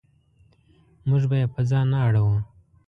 موږ به یې په ځان نه اړوو.